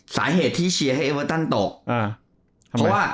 สาเหตุที่เอเวิร์ตต้นให้ตก